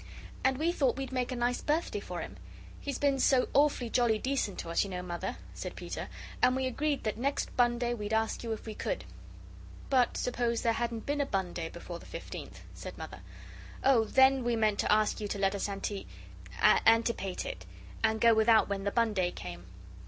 "And we thought we'd make a nice birthday for him. He's been so awfully jolly decent to us, you know, Mother," said Peter, "and we agreed that next bun day we'd ask you if we could." "But suppose there hadn't been a bun day before the fifteenth?" said Mother. "Oh, then, we meant to ask you to let us anti antipate it, and go without when the bun day came."